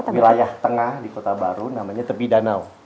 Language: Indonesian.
wilayah tengah di kota baru namanya tebi danau